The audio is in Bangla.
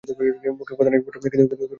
মুখে কথা নেই বটে কিন্তু কথার প্রয়োজন ছিল না।